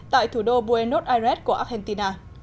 tại thủ đô buenos aires của argentina